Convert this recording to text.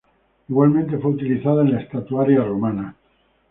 Igualmente fue utilizada en la estatuaria romana.